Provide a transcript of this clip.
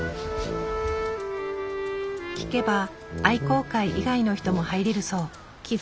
聞けば愛好会以外の人も入れるそう。